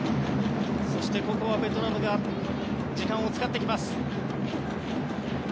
ここはベトナムが時間を使ってきます。